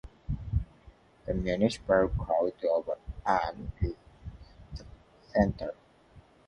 The municipal Coat of Arms is in the center.